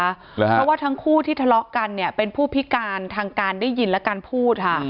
เพราะว่าทั้งคู่ที่ทะเลาะกันเนี่ยเป็นผู้พิการทางการได้ยินและการพูดค่ะ